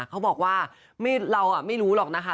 เขาบอกว่าเราไม่รู้หรอกนะคะ